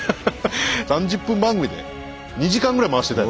３０分番組で２時間ぐらい回してたよ。